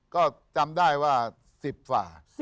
ก็จำได้ว่า๑๐ฝ่า